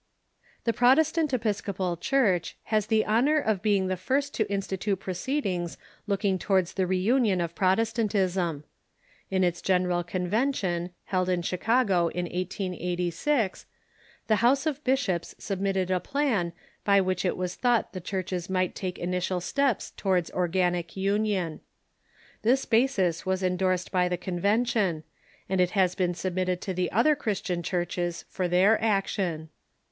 The Protestant Episcopal Church has the honor of being the first to institute proceediiisjs looking towards tlie reunion of Protestantism. In its General Convention, held in o^rgTicTnion Chicago in 1886, the House of Bishops submitted a plan by which it was thought the churches might take initial steps towards organic union. This basis was en dorsed by the Convention, and it has been submitted to the other Christian churches for their action.